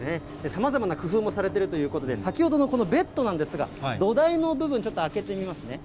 さまざまな工夫もされているということで、先ほどのこのベッドなんですが、土台の部分、ちょっと開けてみますね。